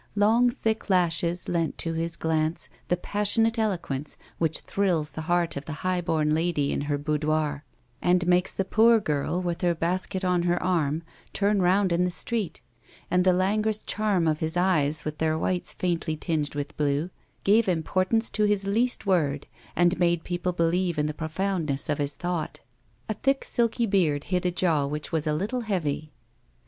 Long, thick lashes lent to his glance the pas sionate eloquence which thrills the heart of the high born lady in her boudoir, and makes the poor girl, with her basket on her arm, turn round in the street, and the languorous charm of his eyes, with their whites faintly tinged with blue, gave importance to his least word and made people believe in the profoundness of his thought. A thick, silky beard hid a jaw which was a little heavy.